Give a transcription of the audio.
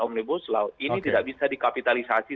omnibus law ini tidak bisa dikapitalisasi